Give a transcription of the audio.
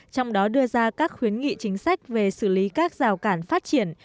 trong đó đưa ra các khuyến nghị chính sách về xử lý các rào cản phát triển